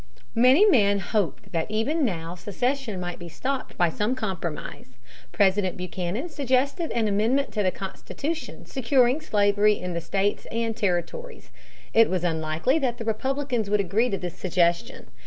Many men hoped that even now secession might be stopped by some compromise. President Buchanan suggested an amendment to the Constitution, securing slavery in the states and territories. It was unlikely that the Republicans would agree to this suggestion.